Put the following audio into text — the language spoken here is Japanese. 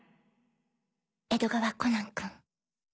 江戸川コナン君。